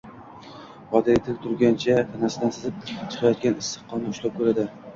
Qodiriy tik turgancha tanasidan sizib chiqayotgan issiq qonni ushlab koʻradi.